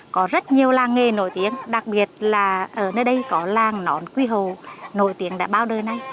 có rất nhiều làng nghề nổi tiếng đặc biệt là ở nơi đây có làng nón quy hầu nổi tiếng đã bao đời nay